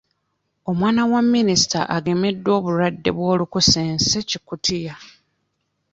Omwana wa minisita agemeddwa obulwadde bw'olukusense-Kikutiya